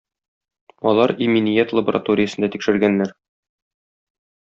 Алар "Иминият" лабораториясендә тикшергәннәр.